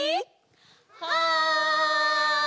はい！